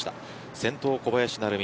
先頭は小林成美